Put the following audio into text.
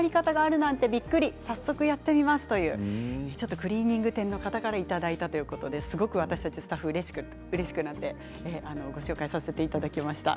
クリーニング店の方からいただいたということですごく私たちスタッフうれしくなってご紹介させていただきました。